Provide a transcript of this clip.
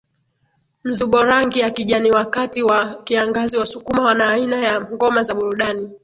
mzuborangi ya kijaniwakati wa kiangaziWasukuma wana aina ya ngoma za burudani